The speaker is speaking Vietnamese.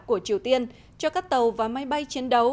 của triều tiên cho các tàu và máy bay chiến đấu